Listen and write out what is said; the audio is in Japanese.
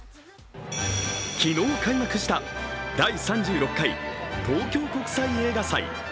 昨日開幕した第３６回東京国際映画祭。